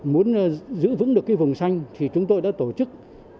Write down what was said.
muốn giữ vững được cái vùng xanh thì chúng tôi đã tổ chức